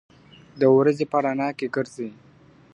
د ورځي په رڼا کي ګرځي .